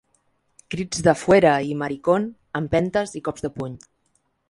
Crits de ‘fuera’ i ‘maricón’, empentes i cops de puny.